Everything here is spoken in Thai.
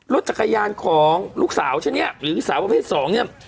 รถจักรยานของลูกสาวฉันเนี่ยหรือสาวประเภทสองเนี่ย